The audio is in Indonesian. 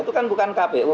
itu kan bukan kpu